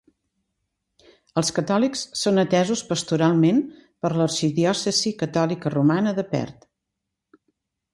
Els catòlics són atesos pastoralment per l'arxidiòcesi catòlica romana de Perth.